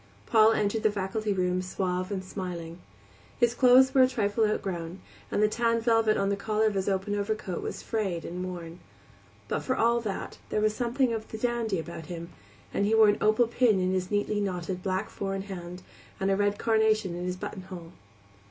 Paul entered the faculty room suave and smiling. His clothes were a trifle outgrown, and the tan velvet on the collar of his open overcoat was frayed and worn; but for all that there was something of the dandy about him, and he wore an opal pin in his neatly knotted black four in hand, and a red carnation in his buttonhole.